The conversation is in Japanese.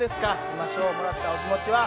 今賞をもらったお気持ちは？